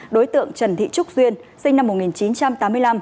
đối tượng trần thị trúc duyên sinh năm một nghìn chín trăm tám mươi năm